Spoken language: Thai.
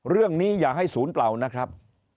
เรื่องนี้อย่าให้ศูนย์เปล่านะครับ